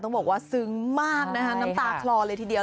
ต้องบอกว่าซึ้งมากนะคะน้ำตาคลอเลยทีเดียว